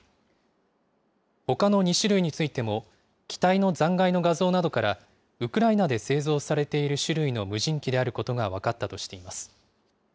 ほかの２種類についても機体の残骸の画像などからウクライナで製造されている種類の無人機であることが分かったとしています。